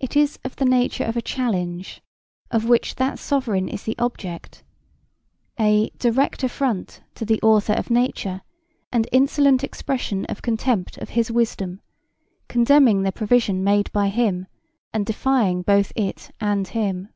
It is of the nature of a challenge of which that Sovereign is the object "a direct affront to the Author of Nature and insolent expression of contempt of his wisdom, condemning the provision made by him and defying both it and him."